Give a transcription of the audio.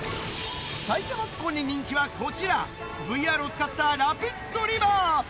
埼玉っ子に人気は、こちら、ＶＲを使ったラピッドリバー。